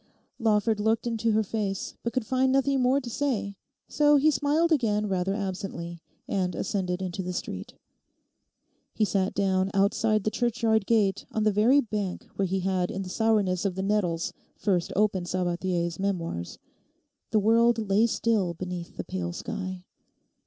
Lawford looked into her face, but could find nothing more to say, so he smiled again rather absently, and ascended into the street. He sat down outside the churchyard gate on the very bank where he had in the sourness of the nettles first opened Sabathier's Memoirs. The world lay still beneath the pale sky.